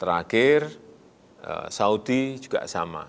terakhir saudi juga sama